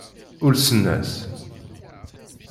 Ulsen-as.